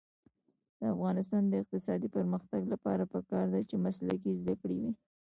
د افغانستان د اقتصادي پرمختګ لپاره پکار ده چې مسلکي زده کړې وي.